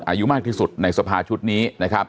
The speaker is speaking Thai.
อายุมากที่สุดในสภาชุดนี้นะครับ